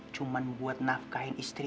cuma buat nafkahin istri